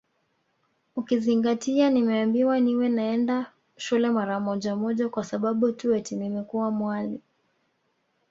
Ukizingatia nimeambiwa niwe naenda shule mara moja moja kwa sababu tu eti nimekuwa mwali